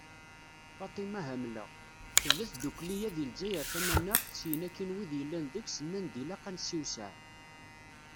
Faṭima Hamla: Tebda tddukkla-a di Lezzayer tamanaɣt, syin akkin wid yellan deg-s nnan-d ilaq ad nessewseɛ.